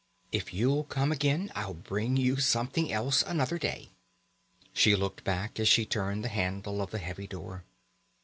"If you'll come again I'll bring you something else another day." She looked back as she turned the handle of the heavy door.